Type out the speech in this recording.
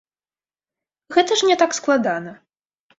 Гэта ж не так складана.